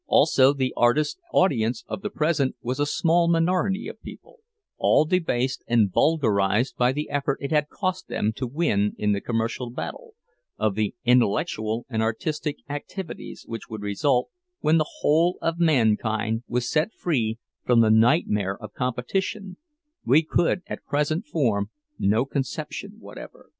Also the artist's audience of the present was a small minority of people, all debased and vulgarized by the effort it had cost them to win in the commercial battle, of the intellectual and artistic activities which would result when the whole of mankind was set free from the nightmare of competition, we could at present form no conception whatever.